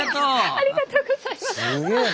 ありがとうございます。